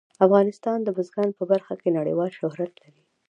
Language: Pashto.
افغانستان د بزګان په برخه کې نړیوال شهرت لري.